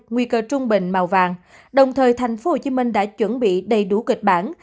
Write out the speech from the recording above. nguy cơ trung bình màu vàng đồng thời tp hcm đã chuẩn bị đầy đủ kịch bản